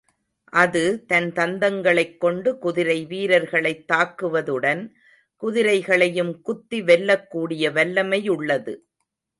அது தன் தந்தங்களைக் கொண்டு குதிரை வீரர்களைத் தாக்குவதுடன், குதிரைகளையும் குத்தி வெல்லக்கூடிய வல்லமையுள்ளது.